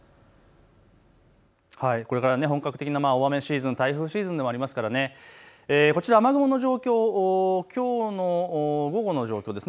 これから本格的な大雨シーズン、台風シーズンでもありますから雨雲の状況、きょうの午後の状況です。